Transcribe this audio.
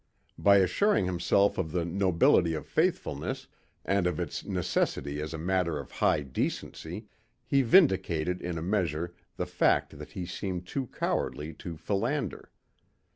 By assuring himself of the nobility of faithfulness and of its necessity as a matter of high decency, he vindicated in a measure the fact that he seemed too cowardly to philander.